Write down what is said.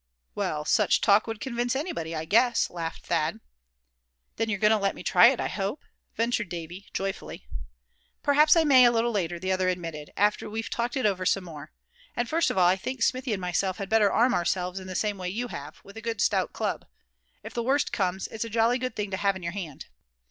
"Well, such talk would convince anybody, I guess," laughed Thad. "Then you're goin' to let me try it, I hope?" ventured Davy, joyfully. "Perhaps I may a little later," the other admitted. "After we've talked it over some more. And first of all, I think Smithy and myself had better arm ourselves in the same way you have, with a good stout club. If the worst comes, it's a jolly good thing to have in your hand."